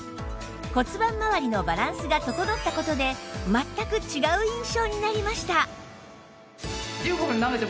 骨盤まわりのバランスが整った事で全く違う印象になりました